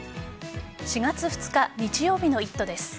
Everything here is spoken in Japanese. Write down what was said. ４月２日日曜日の「イット！」です。